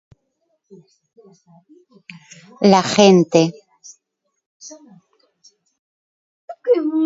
La gente.